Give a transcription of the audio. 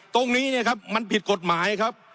ตรงนี้มันผิดกฎหมายครับ